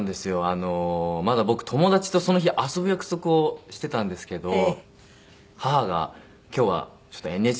あの僕友達とその日遊ぶ約束をしてたんですけど母が「今日はＮＨＫの方に行くよ」